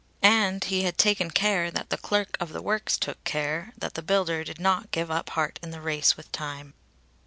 And he had taken care that the clerk of the Works took care that the builder did not give up heart in the race with time.